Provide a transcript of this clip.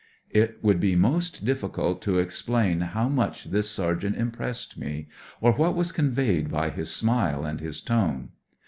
It would be most difficult to explain how much this sergeant impressed me, or what was conveyed by his smile and his tone.